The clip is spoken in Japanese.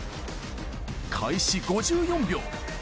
開始５４秒。